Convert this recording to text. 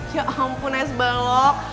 ya ampun es balok